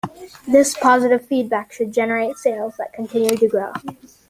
This positive feedback should generate sales that continue to grow.